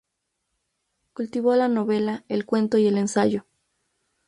Cultivó la novela, el cuento y el ensayo.